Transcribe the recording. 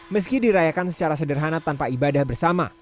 meski dirayakan secara sederhana tanpa ibadah bersama